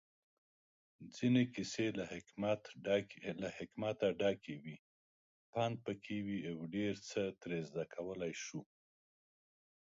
ځينې کيسې له حکمت ډکې وي، پندپکې وي اوډيرڅه ترې زده کولی شو